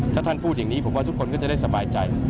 ถ้าท่านพูดอย่างนี้ผมว่าทุกคนก็จะได้สบายใจ